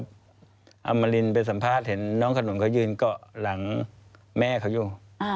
อมรินไปสัมภาษณ์เห็นน้องขนมเขายืนเกาะหลังแม่เขาอยู่